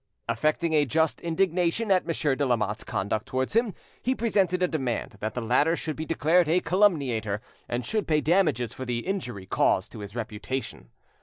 Affecting a just indignation at Monsieur de Lamotte's conduct towards him, he presented a demand that the latter should be declared a calumniator, and should pay damages for the injury caused to his reputation.